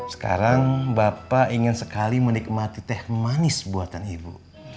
sekarang bapak ingin sekali menikmati teh manis buatan ibu